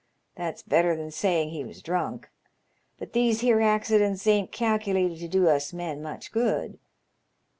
That's better than saying he was drunk. But these here accidents ain't calculated to do us men much good.